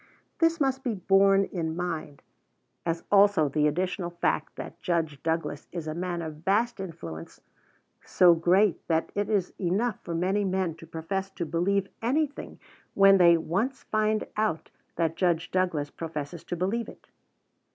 This must be borne in mind, as also the additional fact that Judge Douglas is a man of vast influence, so great that it is enough for many men to profess to believe anything when they once find out that Judge Douglas professes to believe it.